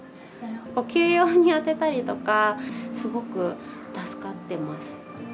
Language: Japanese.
休養に充てたりとか、すごく助かってます。